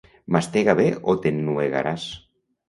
Mastega bé o t'ennuegaràs.